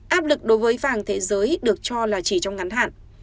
áp lực đối với vàng thế giới được cho là chỉ trong ngắn hạn